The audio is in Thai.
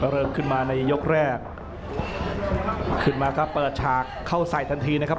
เริ่มขึ้นมาในยกแรกขึ้นมาก็เปิดฉากเข้าใส่ทันทีนะครับ